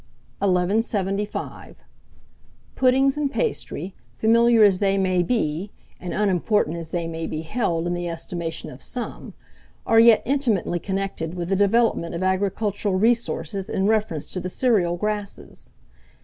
1175. PUDDINGS AND PASTRY, familiar as they may be, and unimportant as they may be held in the estimation of some, are yet intimately connected with the development of agricultural resources in reference to the cereal grasses.